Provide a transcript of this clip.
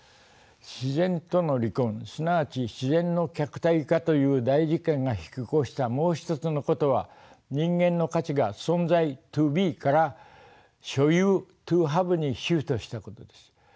自然との離婚すなわち自然の客体化という大事件が引き起こしたもう一つのことは人間の価値が存在ｔｏｂｅから所有ｔｏｈａｖｅにシフトしたことです。